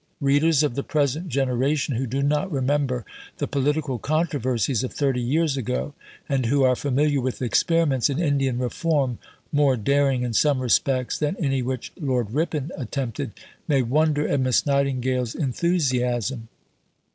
Readers of the present generation, who do not remember the political controversies of thirty years ago, and who are familiar with experiments in Indian reform, more daring in some respects than any which Lord Ripon attempted, may wonder at Miss Nightingale's enthusiasm.